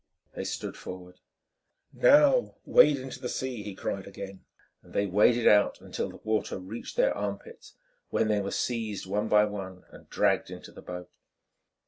They stood forward. "Now wade into the sea," he cried again, and they waded out until the water reached their armpits, when they were seized one by one and dragged into the boat.